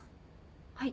はい。